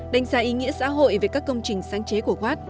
đánh giá ý nghĩa xã hội về các công trình sáng chế của watt